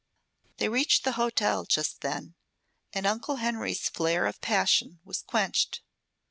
They reached the hotel just then, and Uncle Henry's flare of passion was quenched.